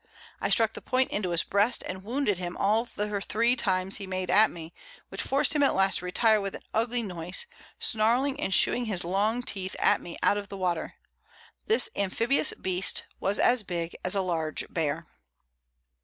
I struck the Point into his Breast, and wounded him all the three times he made at me, which forc'd him at last to retire with an ugly Noise, snarling and shewing his long Teeth at me out of the Water: This amphibious Beast was as big as a large Bear.